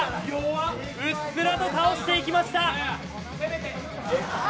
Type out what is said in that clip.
うっすらと倒していきました。